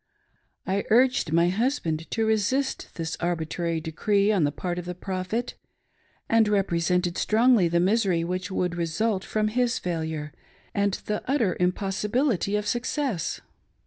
I urged my husband to resist this arbitrary decree on the part of the Prophet, and represented strongly the misery which would result from his failure, and the utter impossibility of success.